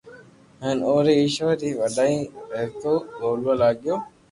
ھين او وي ايشور ري وڏائي رتو يوا لاگيو